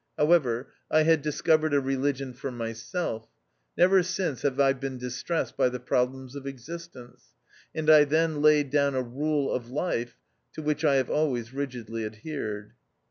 However, I had dis covered a religion for myself; never since have I been distressed by the problems of existence ; and I then laid down a rule of life, to which I have always rigidly adhered.